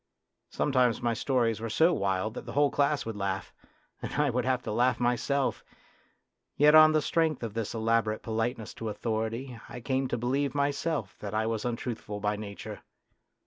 Sometimes my stories were so wild that the whole class would laugh, and I would have to laugh myself; yet on the strength of this elaborate politeness to authority I came to believe myself that I was untruthful by nature.